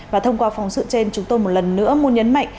và thông qua phóng sự trên chúng tôi một lần nữa muốn nhấn mạnh